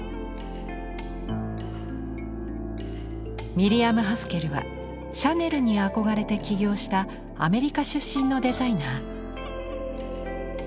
ミリアム・ハスケルはシャネルに憧れて起業したアメリカ出身のデザイナー。